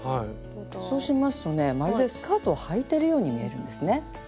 そうしますとねまるでスカートをはいてるように見えるんですね。